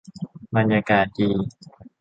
บรรยากาศดี